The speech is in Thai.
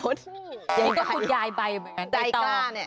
กูดีก็คุณยายใบเหมือนกัน